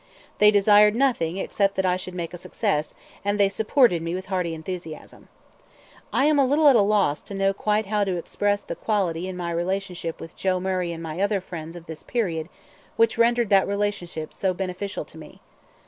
They desired nothing except that I should make a success, and they supported me with hearty enthusiasm. I am a little at a loss to know quite how to express the quality in my relationship with Joe Murray and my other friends of this period which rendered that relationship so beneficial to me.